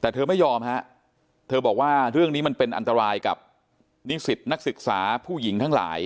แต่เธอไม่ยอมฮะเธอบอกว่าเรื่องนี้มันเป็นอันตรายกับนิสิตนักศึกษาผู้หญิงทั้งหลาย